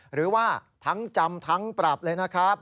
หรือว่าทั้งจำทั้งปรับเลยนะครับ